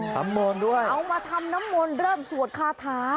มนต์ด้วยเอามาทำน้ำมนต์เริ่มสวดคาถา